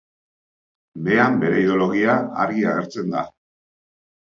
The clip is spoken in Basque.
Behean bere ideologia argi agertzen da.